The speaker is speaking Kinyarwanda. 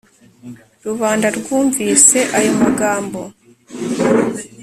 rubanda rwumvise ayo magambo